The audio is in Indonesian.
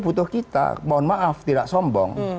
butuh kita mohon maaf tidak sombong